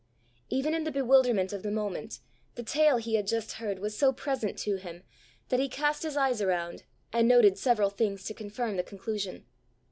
Even in the bewilderment of the moment, the tale he had just heard was so present to him that he cast his eyes around, and noted several things to confirm the conclusion.